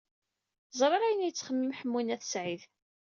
Ẓriɣ ayen ay yettxemmim Ḥemmu n At Sɛid.